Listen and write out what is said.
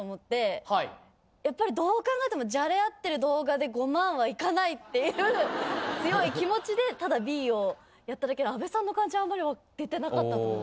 やっぱりどう考えてもじゃれあってる動画で５万はいかないっていう強い気持ちでただＢをやっただけで阿部さんの感じあんまり出てなかったと思う。